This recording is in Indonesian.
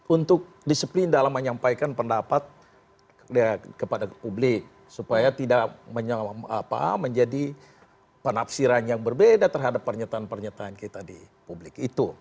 untuk disiplin dalam menyampaikan pendapat kepada publik supaya tidak menjadi penafsiran yang berbeda terhadap pernyataan pernyataan kita di publik itu